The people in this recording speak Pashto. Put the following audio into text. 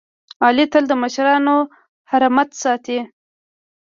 علي تل د مشرانو حرمت ساتي.